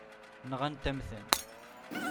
Nɣant-am-ten.